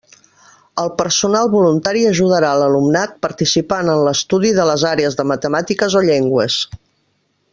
El personal voluntari ajudarà l'alumnat participant en l'estudi de les àrees de matemàtiques o llengües.